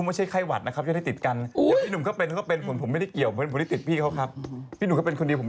เป็นเสื้อถ้าจะถอดเคี้ยวเล็บถอดได้